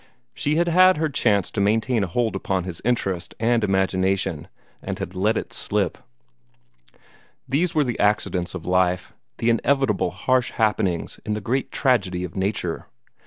She had had her chance to maintain a hold upon his interest and imagination, and had let it slip. These were the accidents of life, the inevitable harsh happenings in the great tragedy of Nature.